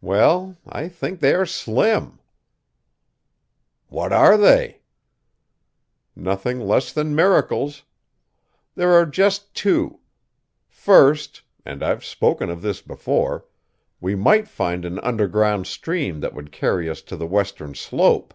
"Well, I think they are slim." "What are they?" "Nothing less than miracles. There are just two. First and I've spoken of this before we might find an underground stream that would carry us to the western slope."